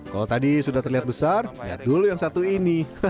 kalau tadi sudah terlihat besar lihat dulu yang satu ini